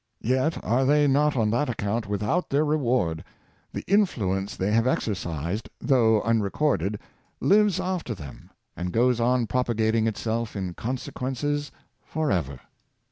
Yet are they not on that account without their reward. The influence they have exercised, though unrecorded, lives after them, and goes on propagating itself in con sequences forever.